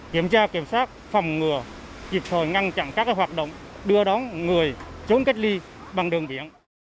kiểm tra kiểm soát phòng ngừa kịp thời ngăn chặn các hoạt động đưa đón người trốn cách ly bằng đường biển